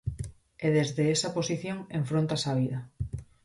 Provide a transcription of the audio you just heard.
E desde esa posición enfróntase á vida.